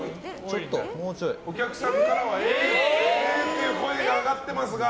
お客さんからはえーっていう声が上がってますが。